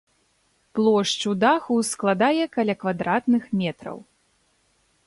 Плошчу даху складае каля квадратных метраў.